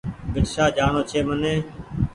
ڀيٽ شاه جآڻو ڇي مني ۔